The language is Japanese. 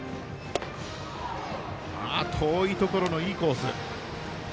遠いところのいいコース。